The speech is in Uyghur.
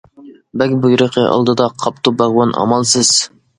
بەگ بۇيرۇقى ئالدىدا، قاپتۇ باغۋەن ئامالسىز.